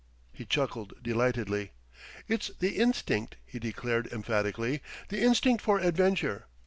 He chuckled delightedly. "It's the instinct," he declared emphatically, "the instinct for adventure.